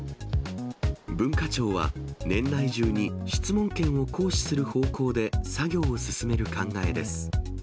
文化庁は、年内中に質問権を行使する方向で作業を進める考えです。